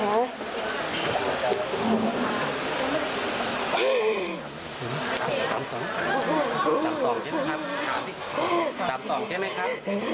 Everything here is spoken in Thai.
สามสองใช่ไหมครับ